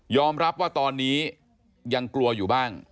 รับว่าตอนนี้ยังกลัวอยู่บ้าง